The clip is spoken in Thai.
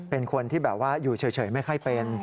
เป็นคนที่อยู่เฉยไม่ค่อยเป็น